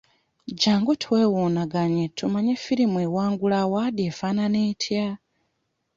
Jjangu twewuunaganye tumanye firimu ewangula awaadi efaanana etya?